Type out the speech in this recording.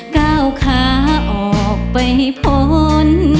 ก้าวขาออกไปพ้น